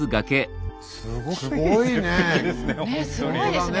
すごいね！